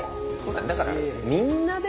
だからみんなで。